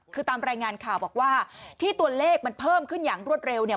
คือตามรายงานข่าวบอกว่าที่ตัวเลขมันเพิ่มขึ้นอย่างรวดเร็วเนี่ย